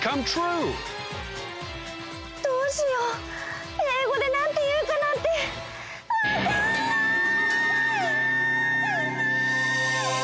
どうしようえいごでなんていうかなんてわかんない！